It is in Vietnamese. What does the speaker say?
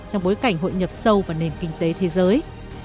trong bối cảnh hội nhập sâu vào nền kinh tế thế giới